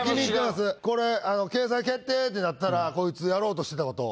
これ掲載決定ってなったらこいつやろうとしてたこと。